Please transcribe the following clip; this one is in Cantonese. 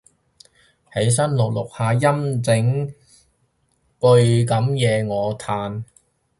起身錄錄下音整句噉嘅嘢過我嘆